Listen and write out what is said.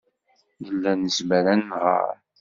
Nella nezmer ad nɣer.